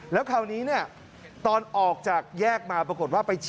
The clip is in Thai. แล้วข่าวนี้ตอนออกจากแหยกมาปรากฏว่าไปเฉล